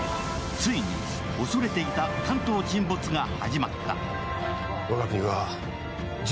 ついに恐れていた関東沈没が始まった。